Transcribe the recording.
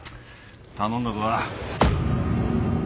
頼んだぞ。